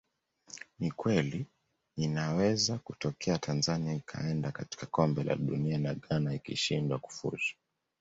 Ni kweli inaweza kutokea Tanzania ikaenda katika Kombe la Dunia na Ghana ikishindwa kufuzu